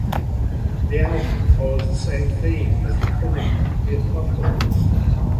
The album follows the same theme as "The Coming", the apocalypse.